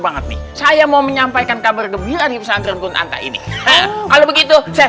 banget nih saya mau menyampaikan kabar gembira di pesantren gon anta ini kalau begitu saya